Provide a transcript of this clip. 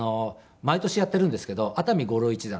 毎年やっているんですけど熱海五郎一座。